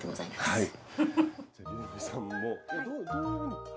はい。